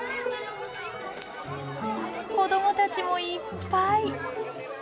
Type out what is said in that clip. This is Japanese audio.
子供たちもいっぱい。